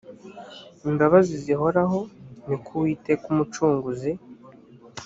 imbabazi zihoraho ni ko uwiteka umucunguzi